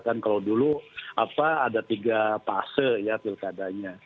kan kalau dulu ada tiga fase ya pilkadanya